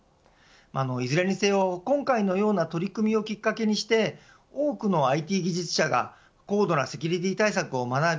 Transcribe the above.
いずれにせよ、今回のような取り組みをきっかけにして多くのＩＴ技術者が高度なセキュリティー対策を学び